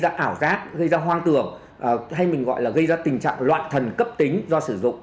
gây ra ảo giác gây ra hoang tường hay mình gọi là gây ra tình trạng loạn thần cấp tính do sử dụng